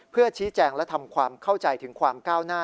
เพื่อชี้แจงและทำความเข้าใจถึงความก้าวหน้า